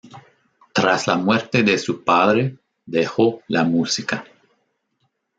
Tras la muerte de su padre dejó la música.